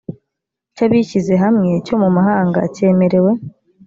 cy abishyizehamwe cyo mu mahanga cyemerewe